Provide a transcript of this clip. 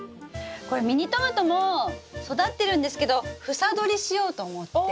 これミニトマトも育ってるんですけど房どりしようと思って。